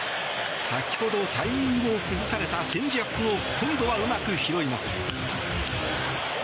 先ほどタイミングを崩されたチェンジアップを今度は、うまく拾います。